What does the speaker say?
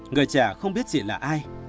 người trẻ không biết chị là ai